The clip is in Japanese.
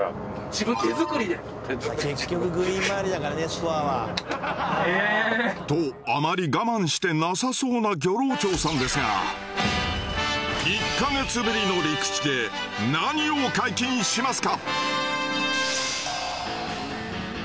手作りで！？とあまり我慢してなさそうな漁労長さんですが１か月ぶりの陸地で何を解禁しますか？